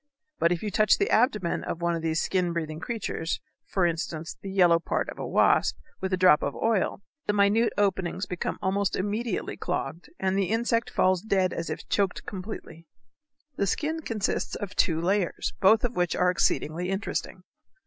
But if you touch the abdomen of one of these skin breathing creatures, for instance the yellow part of a wasp, with a drop of oil, the minute openings become almost immediately clogged and the insect falls dead as if choked completely. The skin consists of two layers, both of which are exceedingly interesting.